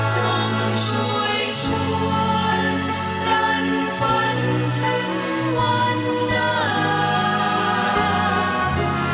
จงช่วยชวนกันฝันถึงวันหน้า